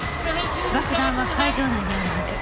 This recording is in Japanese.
爆弾は会場内にあるはず。